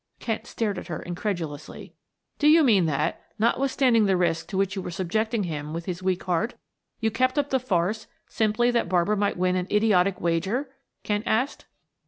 Kent stared at her incredulously. "Do you mean that, notwithstanding the risk to which you were subjecting him with his weak heart, you kept up the farce simply that Barbara might win an idiotic wager?" Kent asked.